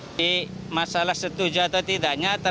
jadi masalah setuju atau tidaknya tergantung